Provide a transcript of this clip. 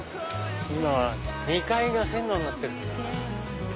今は２階が線路になってるんだ。